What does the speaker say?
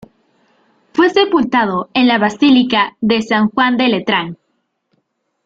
Fue sepultado en la Basílica de San Juan de Letrán.